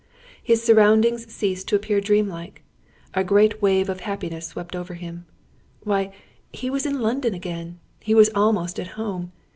His surroundings ceased to appear dream like. A great wave of happiness swept over him. Why, he was in London again! He was almost at home!